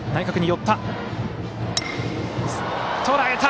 とらえた！